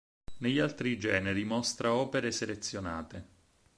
Negli altri generi mostra opere selezionate.